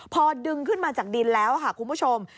พอดึงขึ้นมาจากดินแล้วค่ะคุณผู้ชม